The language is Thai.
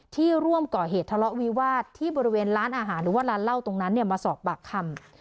ร่วมก่อเหตุทะเลาะวิวาสที่บริเวณร้านอาหารหรือว่าร้านเหล้าตรงนั้นมาสอบปากคำ